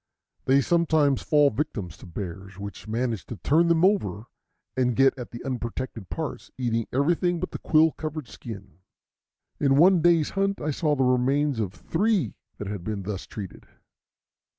They sometimes fall victims to bears, which manage to turn them over and get at the unprotected parts, eating everything but the quill covered skin. In one day's hunt I saw the remains of three that had been thus treated.